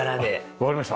わかりました。